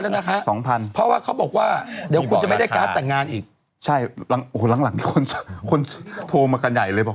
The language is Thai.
และแฮค๔๔เพราะว่าเขาบอกว่าเดี๋ยวมีไม่ได้การแต่งงานอีกใช่หรอกรรมเรื่องความผลโทร